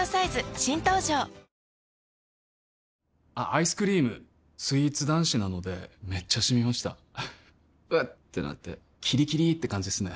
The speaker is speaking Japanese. アイスクリームスイーツ男子なのでめっちゃシミました「うっ」ってなってキリキリって感じですね